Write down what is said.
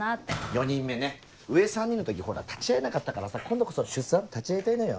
４人目ね上３人の時立ち会えなかったからさ今度こそ出産立ち会いたいのよ。